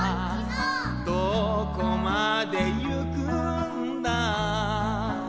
「どこまでゆくんだ」